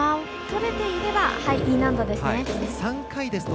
とれていればＥ難度です。